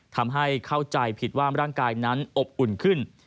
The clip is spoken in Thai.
ทำให้เข้าใจผิดว่าร่างกายนั้นอบอุ่นขึ้น